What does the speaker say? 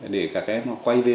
để các em quay về